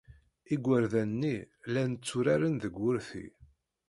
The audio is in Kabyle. Igerdan-nni llan tturaren deg wurti.